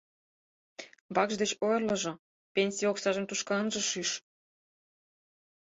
Вакш деч ойырлыжо, пенсий оксажым тушко ынже шӱш...